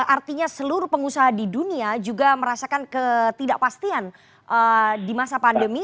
artinya seluruh pengusaha di dunia juga merasakan ketidakpastian di masa pandemi